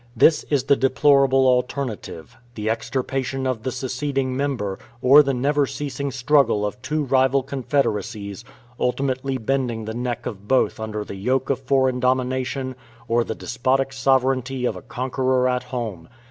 This is the deplorable alternative the extirpation of the seceding member, or the never ceasing struggle of two rival confederacies, ultimately bending the neck of both under the yoke of foreign domination, or the despotic sovereignty of a conqueror at home.